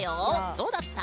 どうだった？